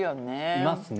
いますね。